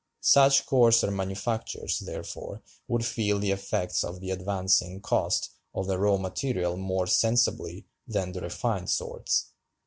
Such coarser manufactures, therefore, would feel the effects of the advancing cost of the raw material more sensibly than the refined sorts.